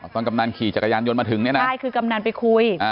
กำนันขี่จักรยานยนต์มาถึงเนี่ยนะใช่คือกำนันไปคุย